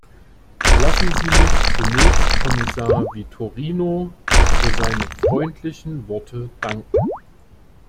Lassen Sie mich zunächst Kommissar Vitorino für seine freundlichen Worte danken.